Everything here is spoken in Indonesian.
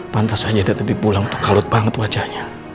pantas aja dia tadi pulang tuh kalut banget wajahnya